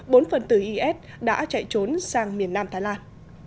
bốn phần từ is đã chạy trốn sang miền nam thái lan